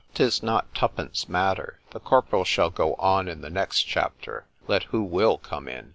_—'Tis not two pence matter—the corporal shall go on in the next chapter, let who will come in.